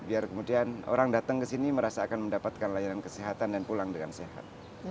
biar kemudian orang datang ke sini merasa akan mendapatkan layanan kesehatan dan pulang dengan sehat